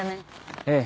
ええ。